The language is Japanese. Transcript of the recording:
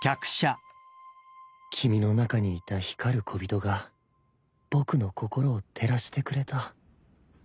君の中にいた光る小人が僕の心を照らしてくれた